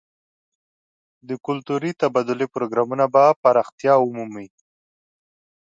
د کلتوري تبادلې پروګرامونه به پراختیا ومومي.